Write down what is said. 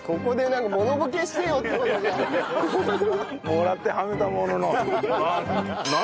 もらってはめたものの。